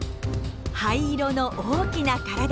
灰色の大きな体。